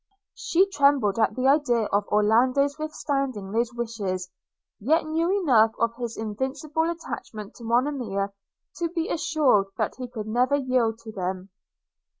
She trembled at the idea of Orlando's withstanding those wishes, yet knew enough of his invincible attachment to Monimia to be assured that he could never yield to them.